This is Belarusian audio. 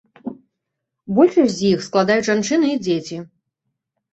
Большасць з іх складаюць жанчыны і дзеці.